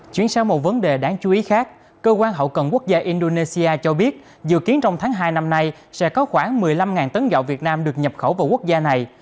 chuyển sang một vấn đề đáng chú ý khác cơ quan hậu cần quốc gia indonesia cho biết dự kiến trong tháng hai năm nay sẽ có khoảng một mươi năm tấn gạo việt nam được nhập khẩu vào quốc gia này